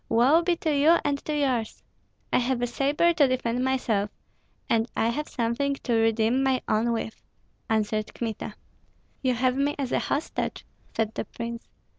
Woe be to you and to yours!" "I have a sabre to defend myself, and I have something to redeem my own with," answered Kmita. "You have me as a hostage," said the prince.